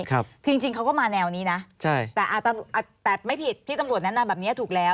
คือจริงเขาก็มาแนวนี้นะแต่ไม่ผิดที่ตำรวจแนะนำแบบนี้ถูกแล้ว